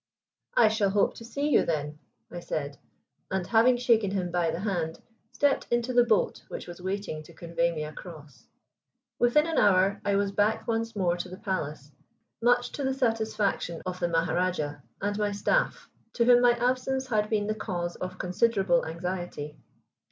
"I shall hope to see you then," I said, and having shaken him by the hand, stepped into the boat which was waiting to convey me across. Within an hour I was back once more to the palace, much to the satisfaction of the Maharajah and my staff, to whom my absence had been the cause of considerable anxiety.